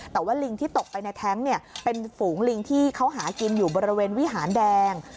แต่ว่าลิงที่ตกไปในแท้งเนี่ยเป็นฝูงลิงที่เขาหากินอยู่บริเวณวิหารแดง